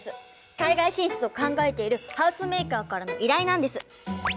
海外進出を考えているハウスメーカーからの依頼なんです。